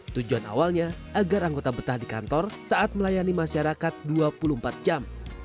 tujuan awalnya agar anggota betah di kantor saat melayani masyarakat dua puluh empat jam